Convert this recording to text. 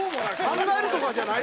考えるとかじゃない。